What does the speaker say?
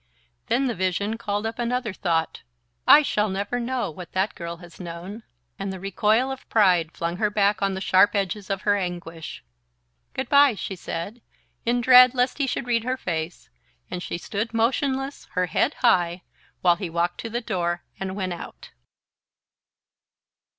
Then the vision called up another thought: "I shall never know what that girl has known..." and the recoil of pride flung her back on the sharp edges of her anguish. "Good bye," she said, in dread lest he should read her face; and she stood motionless, her head high, while he walked to the door and went out.